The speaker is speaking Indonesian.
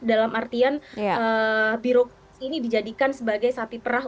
dalam artian birokrasi ini dijadikan sebagai sapi perah